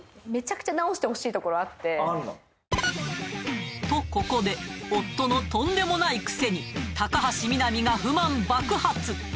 めちゃくちゃ直してほしいところあってとここで夫のとんでもないクセに高橋みなみが不満爆発